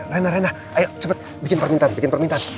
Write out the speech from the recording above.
lena lena ayo cepet bikin permintaan bikin permintaan